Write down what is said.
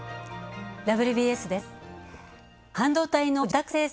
「ＷＢＳ」です。